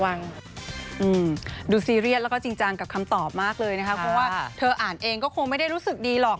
ดูซีเรียสแล้วก็จริงจังกับคำตอบมากเลยนะคะเพราะว่าเธออ่านเองก็คงไม่ได้รู้สึกดีหรอก